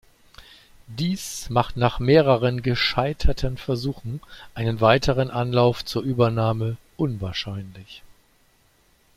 Dies macht nach mehreren gescheiterten Versuchen einen weiteren Anlauf zur Übernahme unwahrscheinlich.